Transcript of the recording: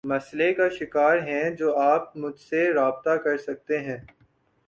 مسلئے کا شکار ہیں تو آپ مجھ سے رابطہ کر سکتے ہیں